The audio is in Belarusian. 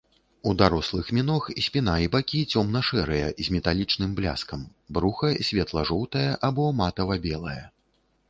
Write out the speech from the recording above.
У дарослых міног спіна і бакі цёмна-шэрыя з металічным бляскам, бруха светла-жоўтае або матава-белае.